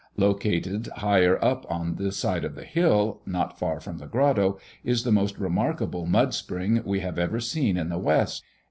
"Located higher up on the side of the hill not far from the Grotto, is the most remarkable mud spring we have ever seen in the West.